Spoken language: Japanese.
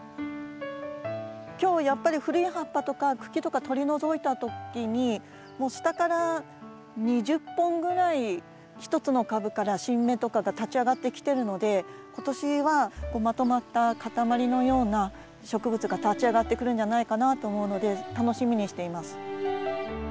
今日やっぱり古い葉っぱとか茎とか取り除いた時にもう下から２０本ぐらい１つの株から新芽とかが立ち上がってきてるので今年はまとまった塊のような植物が立ち上がってくるんじゃないかなと思うので楽しみにしています。